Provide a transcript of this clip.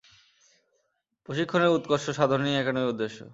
প্রশিক্ষণের উৎকর্ষ সাধনই একাডেমির উদ্দেশ্য।